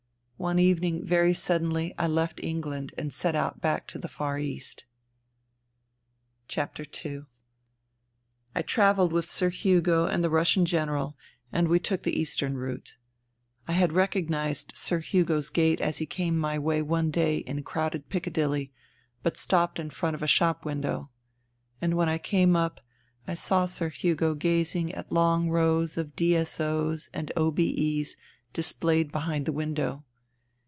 One evening, very suddenly, I left England and set out back to the Far East. II I travelled with Sir Hugo and the Russian General, and we took the eastern route. I had recognized Sir Hugo's gait as he came my way one day in crowded Piccadilly, but stopped in front of a shop window. And when I came up I saw Sir Hugo gazing at long rows of D.S.O.'s and O.B.E.'s displayed behind the window.